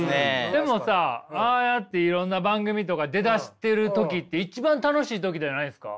でもさああやっていろんな番組とか出だしてる時って一番楽しい時じゃないですか？